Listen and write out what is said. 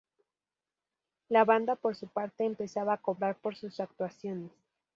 La banda por su parte, empezaba a cobrar por sus actuaciones.